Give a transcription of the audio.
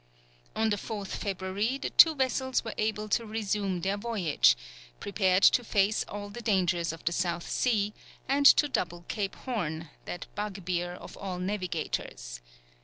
On the 4th February, the two vessels were able to resume their voyage, prepared to face all the dangers of the South Sea, and to double Cape Horn, that bugbear of all navigators.